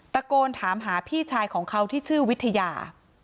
ตะโกนถามหาพี่ชายของเขาที่ชื่อวิทยา